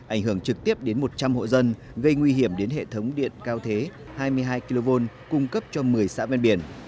ảnh hưởng trực tiếp đến một trăm linh hộ dân gây nguy hiểm đến hệ thống điện cao thế hai mươi hai kv cung cấp cho một mươi xã ven biển